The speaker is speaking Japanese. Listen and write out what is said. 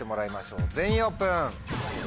全員オープン。